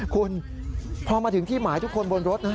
คุณพอมาถึงที่หมายทุกคนบนรถนะฮะ